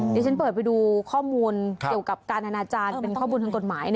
ที่ฉันเปิดไปดูข้อมูลเกี่ยวกับการอนาจารย์เป็นข้อมูลทางกฎหมาย